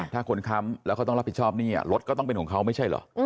ถ้าคนค้ำแล้วเขาต้องรับผิดชอบหนี้รถก็ต้องเป็นของเขาไม่ใช่เหรอ